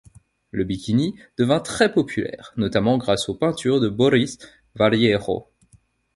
Le bikini devint très populaire, notamment grâce aux peintures de Boris Vallejo.